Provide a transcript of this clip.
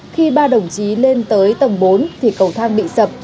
khi ba đồng chí lên tới tầng bốn thì cầu thang bị sập